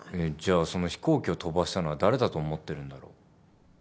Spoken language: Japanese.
えっじゃあその飛行機を飛ばしたのは誰だと思ってるんだろう？